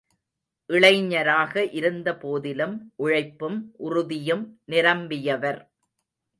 இளைஞராக இருந்த போதிலும், உழைப்பும் உறுதியும் நிரம்பியவர்.